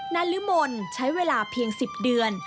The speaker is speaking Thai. นรมนธรรมใช้เวลาเพียง๑๐เดือน